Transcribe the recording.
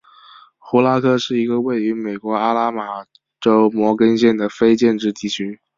胡拉科是一个位于美国阿拉巴马州摩根县的非建制地区。